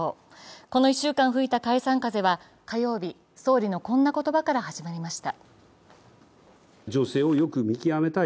この１週間吹いた解散風は、火曜日、総理のこんな言葉から始まりました。